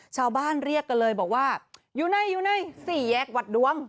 ชาวบ้านเรียกกันเลยบอกว่าอยู่ในอยู่ในสี่แยกวัดดวง